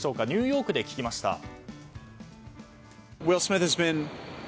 ニューヨークで聞きました。